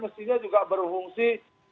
mestinya juga berfungsi